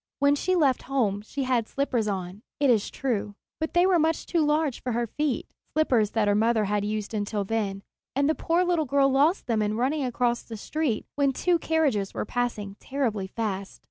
When she left home she had slippers on, it is true; but they were much too large for her feet, slippers that her mother had used until then, and the poor little girl lost them in running across the street when two carriages were passing terribly fast.